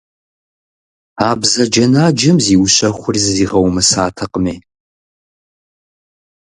А бзаджэнаджэм зиущэхури зызигъэумысатэкъыми.